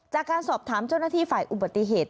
จากการสอบถามเจ้าหน้าที่ฝ่ายอุบัติเหตุ